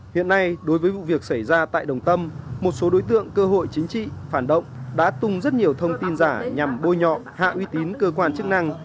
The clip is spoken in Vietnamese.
hiện nay đối với vụ việc xảy ra tại đồng tâm một số đối tượng cơ hội chính trị phản động đã tung rất nhiều thông tin giả nhằm bôi nhọ hạ uy tín cơ quan chức năng